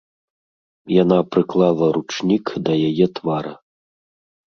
Яна прыклала ручнік да яе твара.